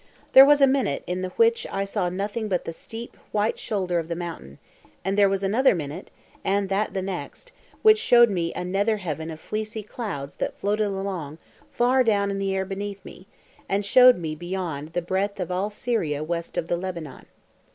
There was a minute in the which I saw nothing but the steep, white shoulder of the mountain, and there was another minute, and that the next, which showed me a nether heaven of fleecy clouds that floated along far down in the air beneath me, and showed me beyond the breadth of all Syria west of the Lebanon.